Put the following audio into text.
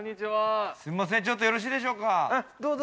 すいません、ちょっとよろしいでしょうか？